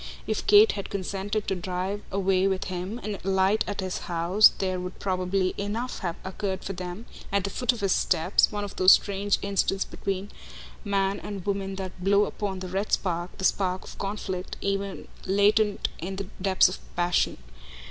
If Kate had consented to drive away with him and alight at his house there would probably enough have occurred for them, at the foot of his steps, one of those strange instants between man and woman that blow upon the red spark, the spark of conflict, ever latent in the depths of passion.